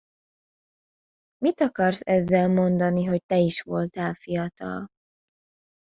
Mit akarsz ezzel mondani, hogy te is voltál fiatal?